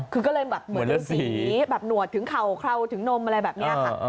คือก็เลยแบบเหมือนเป็นสีแบบหนวดถึงเข่าเคราถึงนมอะไรแบบนี้ค่ะ